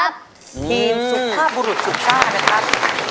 ทีมสุภาพบุรุษสุซ่านะครับ